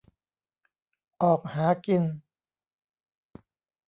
ออกหากิน